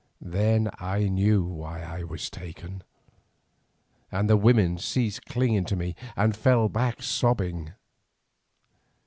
Then I knew why I was taken, and the women ceased clinging to me and fell back sobbing.